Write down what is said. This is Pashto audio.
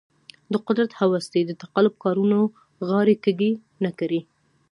د قدرت هوس دې د تقلب کارانو غاړې کږې نه کړي.